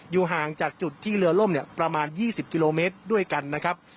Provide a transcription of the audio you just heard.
ห่างจากจุดที่เรือล่มเนี่ยประมาณ๒๐กิโลเมตรด้วยกันนะครับ